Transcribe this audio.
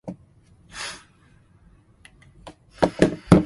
Large long barrows like White Barrow and other earthworks were built across the plain.